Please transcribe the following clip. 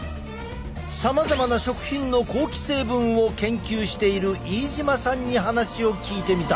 さまざまな食品の香気成分を研究している飯島さんに話を聞いてみた。